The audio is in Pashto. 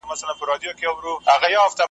درې زمري یې له هډونو جوړېدله .